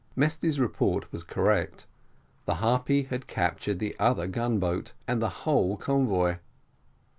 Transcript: Mesty's report was correct; the Harpy had captured the other gun boat, and the whole convoy.